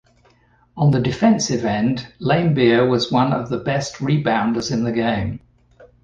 On the defensive end, Laimbeer was one of the best rebounders in the game.